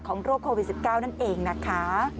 โรคโควิด๑๙นั่นเองนะคะ